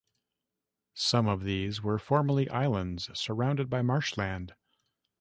Some of these were formerly islands surrounded by marshland.